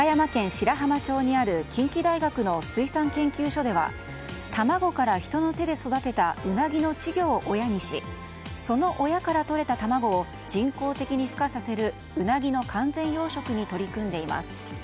白浜町にある近畿大学の水産研究所では卵から人の手で育てたウナギの稚魚を親にしその親からとれた卵を人工的にふ化させるウナギの完全養殖に取り組んでいます。